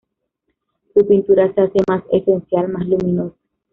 Su pintura se hace más esencial, más luminosa.